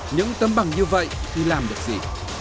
những tâm bằng như vậy thì làm được gì